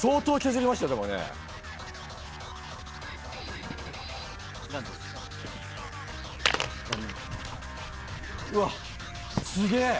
すっげえ！